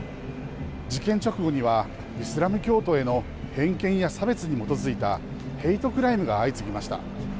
事件直後には、イスラム教徒への偏見や差別に基づいたヘイトクライムが相次ぎました。